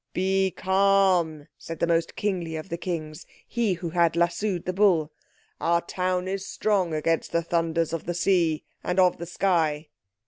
"Be calm," said the most kingly of the Kings, he who had lassoed the bull. "Our town is strong against the thunders of the sea and of the sky!"